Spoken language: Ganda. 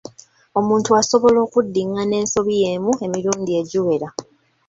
Omuntu asobola okuddingana ensobi y'emu emirundi egiwera.